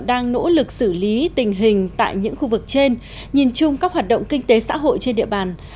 đang nỗ lực xử lý tình hình tại những khu vực trên nhìn chung các hoạt động kinh tế xã hội trên địa bàn